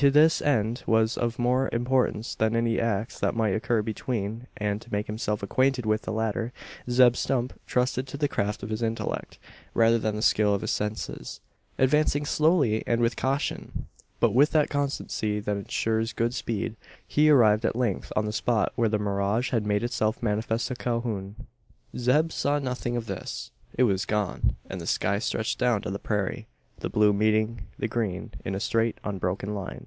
This end was of more importance than any acts that might occur between; and, to make himself acquainted with the latter, Zeb Stump trusted to the craft of his intellect, rather than the skill of his senses. Advancing slowly and with caution but with that constancy that ensures good speed he arrived at length on the spot where the mirage had made itself manifest to Calhoun. Zeb saw nothing of this. It was gone; and the sky stretched down to the prairie the blue meeting the green in a straight unbroken line.